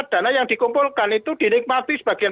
dana yang dikumpulkan itu dinikmati sebagian